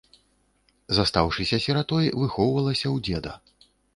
Застаўшыся сіратой, выхоўвалася ў дзеда.